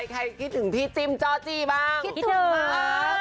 ใครคิดถึงพี่จิ้มจ้อจี้บ้าง